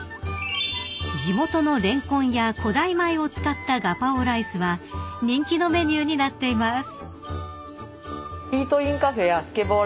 ［地元のレンコンや古代米を使ったガパオライスは人気のメニューになっています］